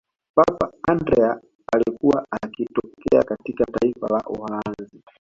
papa andrea alikuwa akitokea katika taifa la uholanzi